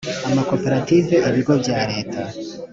amakoperative ibigo bya Leta